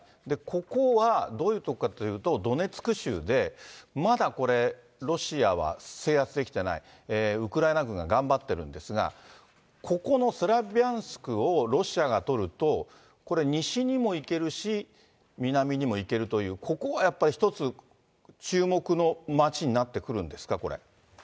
ここはどういう所かというと、ドネツク州で、まだロシアは制圧できていない、ウクライナ軍が頑張ってるんですが、ここのスラビャンスクをロシアが取ると、これ、西にも行けるし、南にも行けるという、ここがやっぱり一つ、注目の街になってくるんですか、これ。